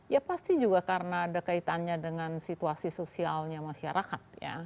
ya pasti juga karena ada kaitannya dengan situasi sosialnya masyarakat ya